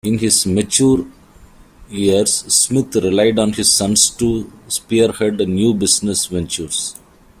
In his mature years, Smith relied on his sons to spearhead new business ventures.